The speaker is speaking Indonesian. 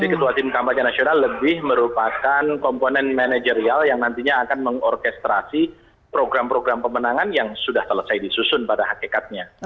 jadi ketua tim kampanye nasional lebih merupakan komponen manajerial yang nantinya akan mengorkestrasi program program pemenangan yang sudah selesai disusun pada hakikatnya